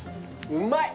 うまい！